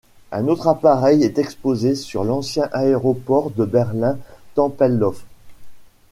Un autre appareil est exposé sur l'ancien aéroport de Berlin-Tempelhof.